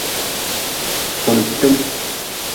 Kuntim.